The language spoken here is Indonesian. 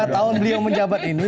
lima tahun beliau menjabat ini